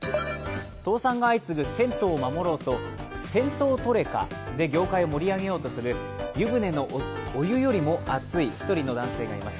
倒産が相次ぐ銭湯を守ろうと、銭湯トレカで業界を盛り上げようとする湯船のお湯よりも熱い１人の男性がいます。